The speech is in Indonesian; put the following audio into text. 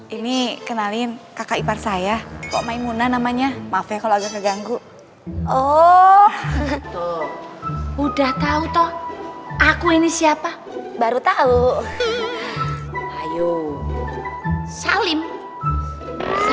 ini kenalin kakak ipar saya kok main muna namanya maaf ya kalau agak keganggu oh udah tahu toh aku ini siapa baru tahu aku ini siapa baru tahu aku ini siapa baru tahu aku ini siapa baru tahu aku ini siapa